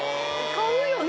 買うよね？